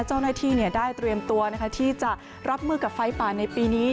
เจ้าหน้าที่ได้เตรียมตัวที่จะรับมือกับไฟป่าในปีนี้